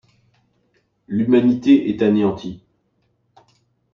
L'humanité est anéantie.